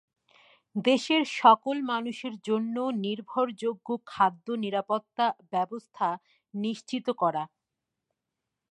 দেশের সকল মানুষের জন্য নির্ভরযোগ্য খাদ্য নিরাপত্তা ব্যবস্থা নিশ্চিত করা।